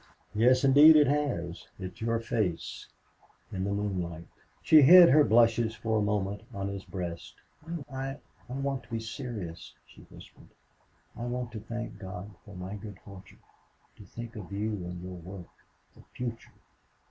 "Yes, indeed, it has. It's your face In the moonlight." She hid her blushes for a moment on his breast. "I I want to be serious," she whispered. "I want to thank God for my good fortune. To think of you and your work!... The future!